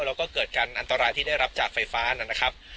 แล้วก็เกิดการอันตรายที่ได้รับจากไฟฟ้านะครับ